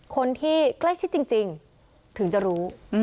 คนที่ใกล้ชิดจริงถึงจะรู้